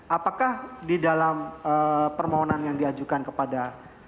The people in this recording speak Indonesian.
apakah di dalam permohonan yang diajukan kepada